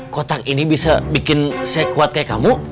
kotak ini bisa bikin saya kuat kayak kamu